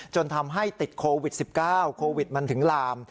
จนทำให้ติดโควิด๑๙โควิดมันถึงลาม